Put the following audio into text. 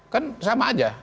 kan sama aja